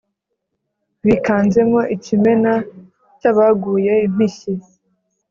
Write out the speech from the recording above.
bikanzemo ikimena cy' abaguye impishyi,